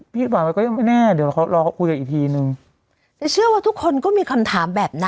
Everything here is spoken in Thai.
พี่หวันก็ยังไม่แน่เดี๋ยวเรารอเขาคุยกันอีกทีหนึ่งจะเชื่อว่าทุกคนก็มีคำถามแบบนั้นนะ